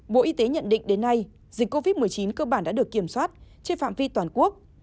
bộ y tế nhận định đến nay dịch covid một mươi chín cơ bản đã được kiểm soát trên phạm vi toàn quốc